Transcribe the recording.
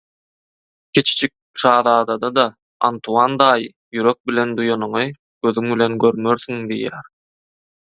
"Kiçijek şazada"da Antuan daýy "Ýürek bilen duýanyňy gözüň bilen görmersiň" diýýär.